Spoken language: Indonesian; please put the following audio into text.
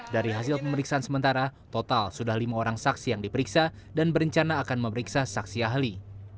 dari hasil pemeriksaan sementara total sudah lima orang saksi yang diperiksa dan berencana akan memeriksa saksi ahli